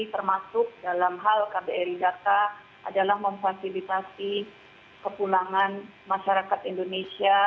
termasuk dalam hal kbri data adalah memfasilitasi kepulangan masyarakat indonesia